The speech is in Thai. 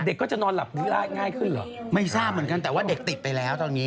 เด็กก็จะนอนหลับไม่ได้ง่ายขึ้นเหรอไม่ทราบเหมือนกันแต่ว่าเด็กติดไปแล้วตอนนี้